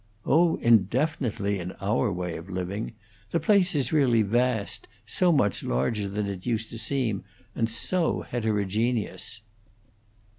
"Oh, indefinitely, in our way of living. The place is really vast, so much larger than it used to seem, and so heterogeneous."